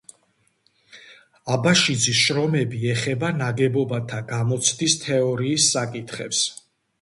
აბაშიძის შრომები ეხება ნაგებობათა გამოცდის თეორიის საკითხებს.